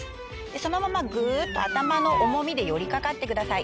そのままグっと頭の重みで寄り掛かってください。